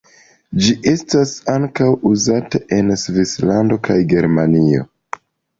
Ĝi estas ankaŭ uzata en Svislando kaj Germanio.